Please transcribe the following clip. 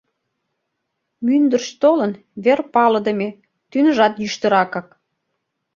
— Мӱндырч толын, вер палыдыме, тӱныжат йӱштыракак.